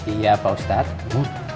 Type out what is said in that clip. iya pak ustadz